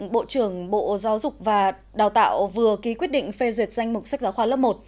bộ trưởng bộ giáo dục và đào tạo vừa ký quyết định phê duyệt danh mục sách giáo khoa lớp một